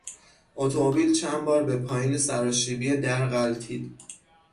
اتومبیل چند بار به پایین سراشیبی در غلتید.